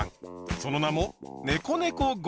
その名も「ねこねこ５５」！